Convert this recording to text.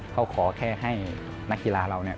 เขาขอแค่ให้นักกีฬาราเรา